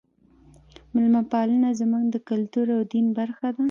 میلمه پالنه زموږ د کلتور او دین برخه ده.